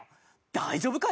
大丈夫か？